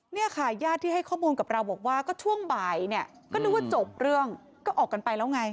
เนี่ยค่ะญาติที่ให้ข้อมูลกับเราบอกว่าก็ช่วงบ่ายเนี่ยก็นึกว่าจบเรื่องก็ออกกันไปแล้วไง